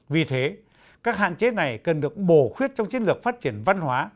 vì thế các hạn chế này cần được bổ khuyết trong chiến lược phát triển văn hóa